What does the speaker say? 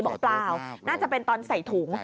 เปล่าน่าจะเป็นตอนใส่ถุง